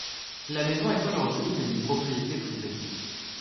La maison est aujourd'hui une propriété privée.